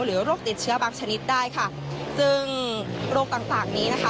โรคติดเชื้อบางชนิดได้ค่ะซึ่งโรคต่างต่างนี้นะคะ